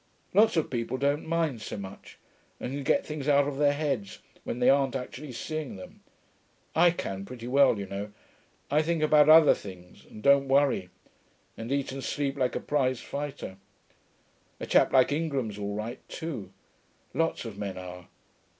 Lots of people don't mind so much, and can get things out of their heads when they aren't actually seeing them. I can, pretty well, you know. I think about other things, and don't worry, and eat and sleep like a prize fighter. A chap like Ingram's all right, too; lots of men are.